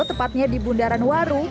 tepatnya di bundaran waru